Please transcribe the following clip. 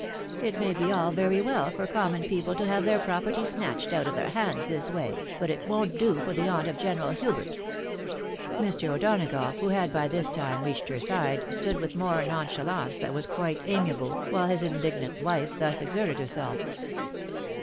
It may be all very well for common people to have their property snatched out of their hands this way, but it won't do for the aunt of General Hubert!" Mr. O'Donagough, who had by this time reached her side, stood with more nonchalance than was quite amiable, while his indignant wife thus exerted herself.